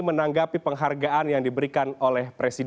selamat malam bang fahri